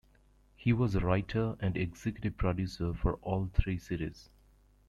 He was a writer and executive producer for all three series.